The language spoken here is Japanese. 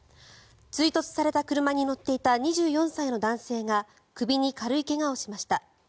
追突された車に乗っていた２４歳の男性が首に軽い怪我をしました。